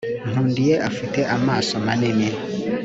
nkundiye afite amaso manini